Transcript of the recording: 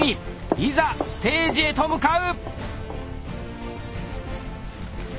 いざステージへと向かう！